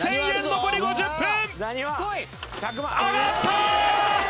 残り５０分